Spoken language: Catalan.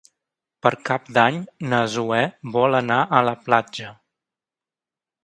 Per Cap d'Any na Zoè vol anar a la platja.